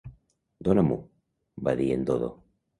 "Dóna-m'ho", va dir en Dodo.